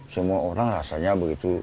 semua orang rasanya begitu